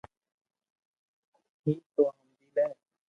ھي تو ھمجي لي